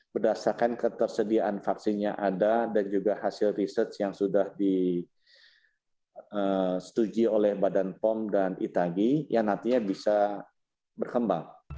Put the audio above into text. berdasarkan ketersediaan vaksin yang ada dan juga hasil research yang sudah disetujui oleh badan pom dan itagi yang nantinya bisa berkembang